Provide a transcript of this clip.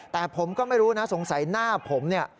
แต่ผมก็ไม่รู้นะสงสัยหน้าผมเนี่ย